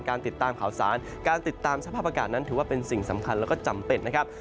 ติดตามข่าวสารการติดตามสภาพอากาศนั้นถือว่าเป็นสิ่งสำคัญแล้วก็จำเป็นนะครับ